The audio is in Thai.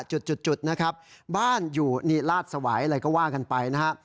จุดนะครับบ้านอยู่นี่ลาดสวายอะไรก็ว่ากันไปนะฮะ